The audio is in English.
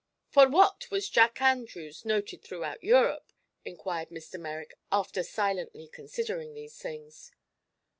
"For what was Jack Andrews noted throughout Europe?" inquired Mr. Merrick, after silently considering these things.